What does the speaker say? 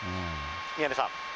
宮根さん。